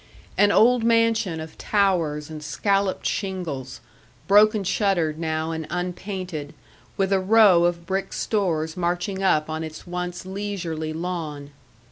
An old mansion of towers and scalloped shingles, broken shuttered now and unpainted, with a row of brick stores marching up on its once leisurely lawn.